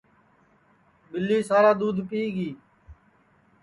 ٻِلی سارا دُؔودھ پِیگی